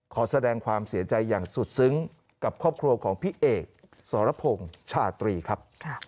ขอแสดงความเสียใจอย่างสุดซึ้งกับครอบครัวของพี่เอกสรพงศ์ชาตรีครับ